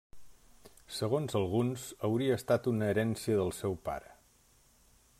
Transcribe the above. Segons alguns, hauria estat una herència del seu pare.